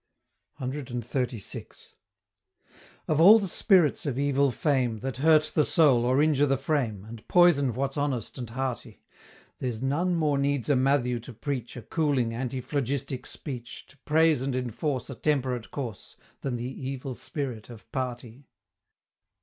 CXXXVI. Of all the spirits of evil fame, That hurt the soul or injure the frame, And poison what's honest and hearty, There's none more needs a Mathew to preach A cooling, antiphlogistic speech, To praise and enforce A temperate course, Than the Evil Spirit of Party.